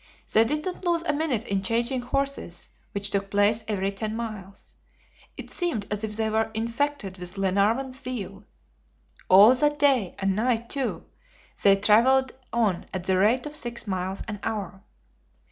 They did not lose a minute in changing horses, which took place every ten miles. It seemed as if they were infected with Glenarvan's zeal. All that day, and night, too, they traveled on at the rate of six miles an hour.